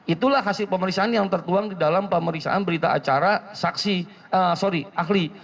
itulah hasil pemeriksaan yang tertuang di dalam pemeriksaan berita acara saksi sorry ahli